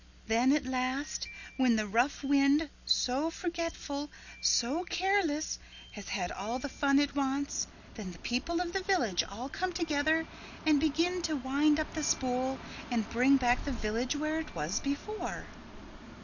"Then at last when the rough wind, so forgetful, so careless, has had all the fun it wants, then the people of the village all come together and begin to wind up the spool and bring back the village where it was before."